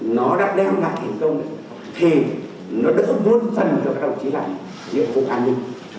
nó đặt đeo vào thành công thì nó đỡ vốn phần cho các đạo chí làm việc phục an ninh